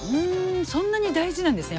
そんなに大事なんですね